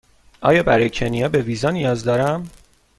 آیا برای کنیا به ویزا نیاز دارم؟